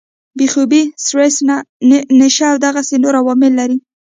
بې خوابي ، سټريس ، نشه او دغسې نور عوامل لري